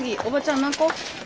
おばちゃん何個？